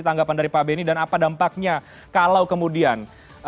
tanggapan dari pak benny dan apa dampaknya kalau kemudian